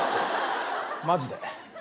マジで。